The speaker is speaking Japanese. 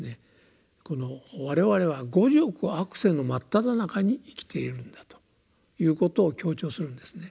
我々は五濁悪世の真っただ中に生きているんだということを強調するんですね。